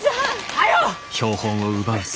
早う！